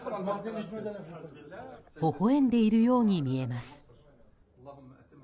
ほほ笑んでいるように見えます。